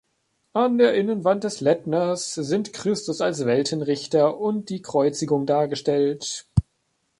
An der Innenwand des Lettners sind Christus als Weltenrichter und die Kreuzigung dargestellt.